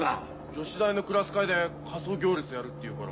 女子大のクラス会で仮装行列やるって言うから。